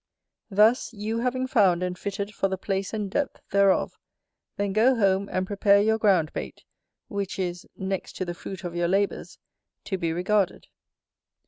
Thus you having found and fitted for the place and depth thereof, then go home and prepare your ground bait, which is, next to the fruit of your labours, to be regarded.